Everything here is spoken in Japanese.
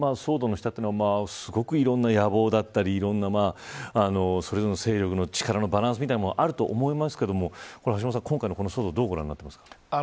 この騒動というのはすごくいろんな野望だったりそれぞれの勢力の力のバランスみたいなものがあると思いますが橋下さん、今回のこの騒動どうご覧になりますか。